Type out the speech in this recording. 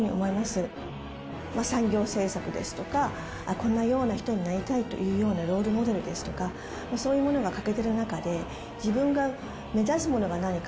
こんなような人になりたいというようなロールモデルですとかそういうものが欠けてる中で自分が目指すものが何か。